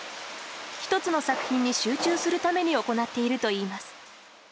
１つの作品に集中するために行っているといいます。